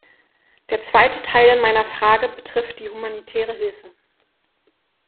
Der zweite Teil meiner Frage betrifft die humanitäre Hilfe.